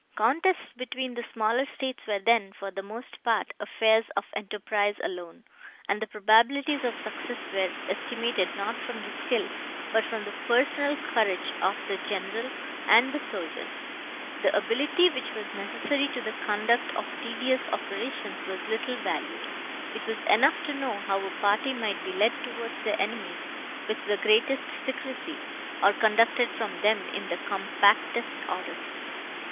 Contests between the smaller states were then, for the most part, affairs of enterprise alone, and the probabilities of success were estimated, not from the skill, but from the personal courage of the general, and the soldiers. The ability, which was necessary to the conduct of tedious operations, was little valued. It was enough to know how a party might be led towards their enemies, with the greatest secrecy, or conducted from them in the compactest order.